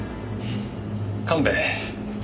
神戸。